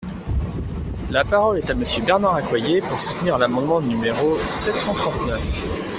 La parole est à Monsieur Bernard Accoyer, pour soutenir l’amendement numéro sept cent trente-neuf.